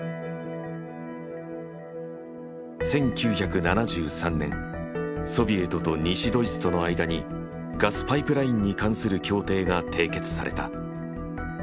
１９７３年ソビエトと西ドイツとの間にガスパイプラインに関する協定が締結された。